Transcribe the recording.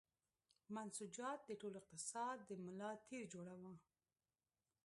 منسوجات د ټول اقتصاد د ملا تیر جوړاوه.